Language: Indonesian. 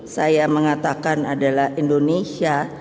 saya mengatakan adalah indonesia